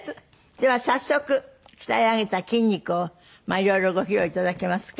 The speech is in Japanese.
では早速鍛え上げた筋肉を色々ご披露頂けますか？